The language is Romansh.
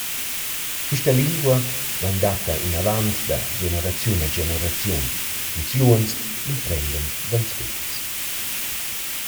Quista lingua vain datta inavant da generaziun a generaziun, ils giuvens imprendan dals vegls.